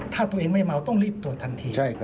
ถ้าตัวเองไม่เมาต้องรีบตรวจทันที